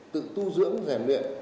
tự tô dưỡng giàn luyện